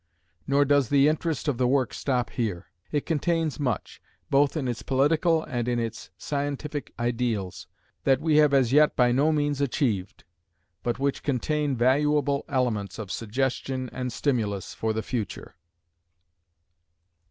Nor does the interest of the work stop here. It contains much, both in its political and in its scientific ideals, that we have as yet by no means achieved, but which contain valuable elements of suggestion and stimulus for the future.